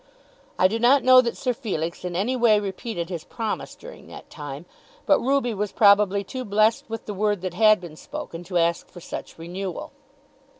I do not know that Sir Felix in any way repeated his promise during that time, but Ruby was probably too blessed with the word that had been spoken to ask for such renewal.